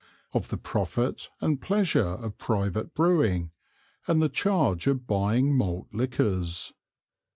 Of the Pleasure and Profit of Private Brewing, and the Charge of buying Malt Liquors.